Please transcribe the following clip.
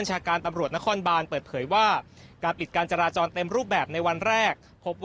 เชิญครับ